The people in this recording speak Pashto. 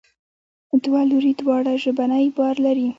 دوه لوري دواړه ژبنی بار لري.